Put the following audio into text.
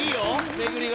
巡りが。